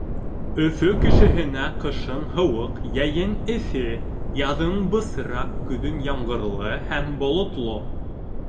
Өфө кешеһенә ҡышын һыуыҡ, йәйен эҫе, яҙын бысраҡ, көҙөн ямғырлы һәм болотло.